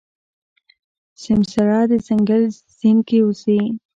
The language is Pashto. سمسيره د ځنګل سیند کې اوسي.